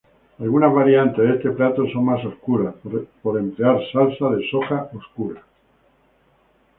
Algunas variantes de este plato son más oscuras, por emplear salsa de soja oscura.